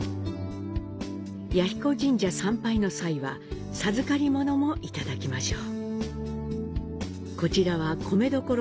彌彦神社参拝の際は授かり物もいただきましょう。